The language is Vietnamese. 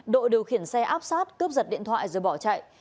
dần xe áp sát cướp giật điện thoại rồi bỏ chạy